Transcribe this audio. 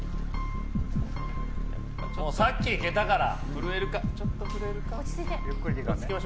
さっきいけたから。